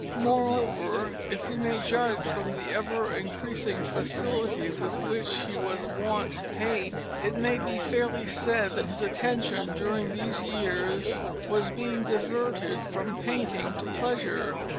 Moreover, if we may judge from the ever increasing facility with which he was wont to paint, it may be fairly said that his attention during these years was being diverted from painting to pleasure.